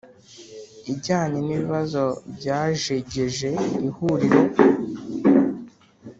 Ijyanye n ibibazo byajegeje ihuriro